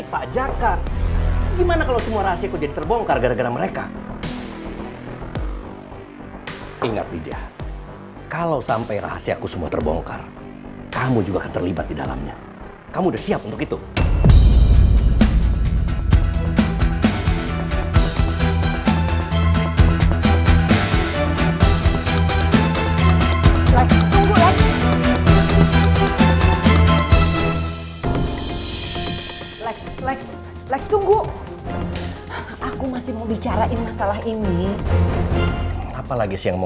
pasti karena ibu banyak mendem perasaan